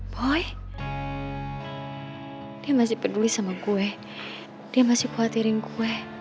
boy dia masih peduli sama gue dia masih khawatirin kue